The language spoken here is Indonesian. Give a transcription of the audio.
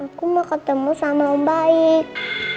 aku mau ketemu sama baik